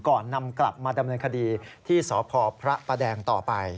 ก่อนนำกลับมาดำเนินคดีที่สพพระประแดงต่อไป